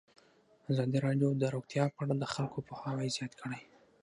ازادي راډیو د روغتیا په اړه د خلکو پوهاوی زیات کړی.